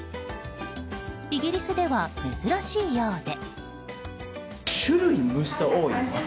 イギリスでは珍しいようで。